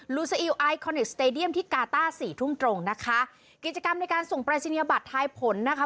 ูซาอิลไอคอนิกสเตดียมที่กาต้าสี่ทุ่มตรงนะคะกิจกรรมในการส่งปรายศนียบัตรทายผลนะคะ